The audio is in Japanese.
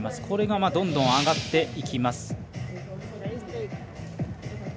これがどんどん上がっていきます。